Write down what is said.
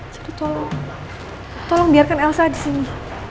jadi tolong tolong biarkan elsa disini